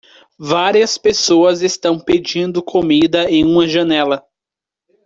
Várias pessoas estão pedindo comida em uma janela.